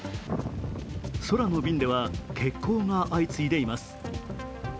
空の便では欠航が相次いでいます。